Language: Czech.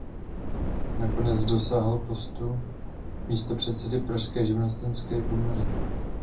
Nakonec dosáhl postu místopředsedy pražské živnostenské komory.